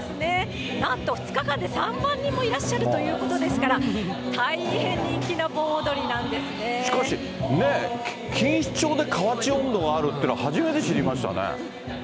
なんと２日間で３万人もいらっしゃるということですから、しかし、錦糸町で河内音頭があるっていうのは初めて知りましたね。